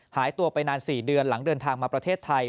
หายตัวไปนาน๔เดือนหลังเดินทางมาประเทศไทย